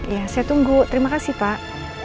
ya saya tunggu terima kasih pak